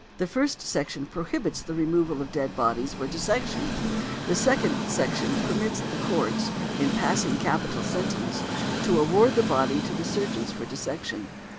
The first section prohibits the removal of dead bodies for dissection, and the second section permits the Courts, in passing capital sentence, to award the body to the surgeons for dissection.